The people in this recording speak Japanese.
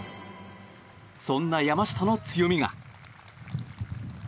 そんな山下の強みが。